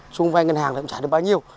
trung vai ngân hàng thì cũng trả được bao nhiêu